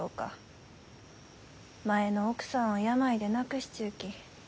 前の奥さんを病で亡くしちゅうき